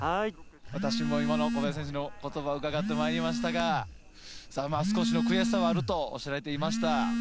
私も今の小林選手の言葉伺ってまいりましたが少しの悔しさはあるとおっしゃられていました。